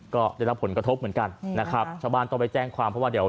ก็ได้รับผลกระทบเหมือนกันนะครับชาวบ้านต้องไปแจ้งความเพราะว่าเดี๋ยว